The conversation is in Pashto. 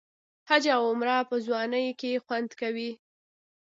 حج او عمره په ځوانۍ کې خوند کوي.